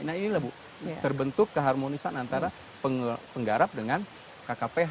nah inilah bu terbentuk keharmonisan antara penggarap dengan kkph